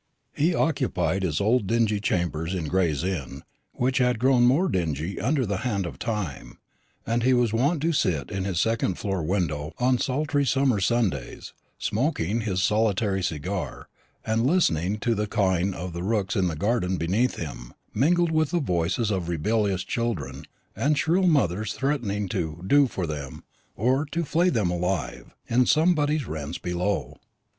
He occupied his old dingy chambers in Gray's Inn, which had grown more dingy under the hand of Time; and he was wont to sit in his second floor window on sultry summer Sundays, smoking his solitary cigar, and listening to the cawing of the rooks in the gardens beneath him, mingled with the voices of rebellious children, and shrill mothers threatening to "do for them," or to "flay them alive," in Somebody's Rents below.